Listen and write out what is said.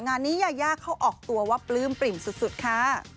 งานนี้ยายาเขาออกตัวว่าปลื้มปริ่มสุดค่ะ